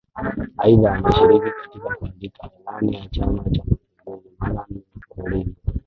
Aidha ameshiriki katika kuandika Ilani ya Chama cha Mapinduzi mara nne mfululizo